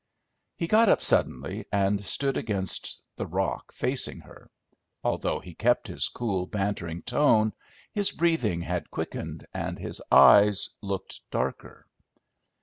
He got up suddenly, and stood against the rock, facing her. Although he kept his cool, bantering tone, his breathing had quickened, and his eyes looked darker.